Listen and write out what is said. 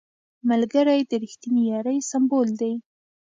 ملګری د رښتینې یارۍ سمبول دی